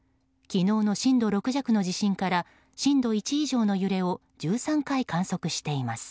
昨日の震度６弱の地震から震度１以上の揺れを１３回観測しています。